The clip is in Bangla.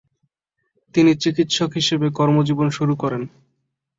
তিনি চিকিৎসক হিসেবে কর্মজীবন শুরু করেন।